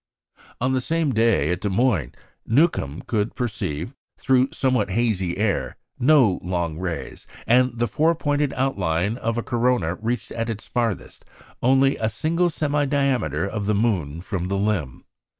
On the same day, at Des Moines, Newcomb could perceive, through somewhat hazy air, no long rays, and the four pointed outline of the corona reached at its farthest only a single semidiameter of the moon from the limb.